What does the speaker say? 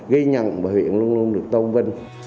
ghi nhận và huyện luôn luôn được tôn vinh